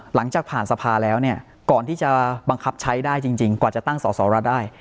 หลังจากผ่านสภาแล้วเนี่ยก่อนที่จะบังคับใช้ได้จริงกว่าจะตั้งสอสอรอได้